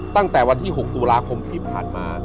ตั้งแต่วันที่๖ตุลาคมที่ผ่านมา